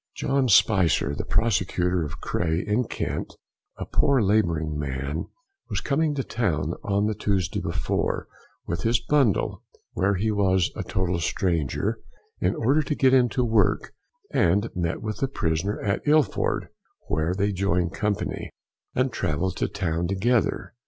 John Spicer, the prosecutor, of Cray, in Kent, a poor labouring man, was coming to town on the Tuesday before, with his bundle, where he was a total stranger, in order to get into work, and met with the prisoner at Ilford, where they joined company, and travelled to town together.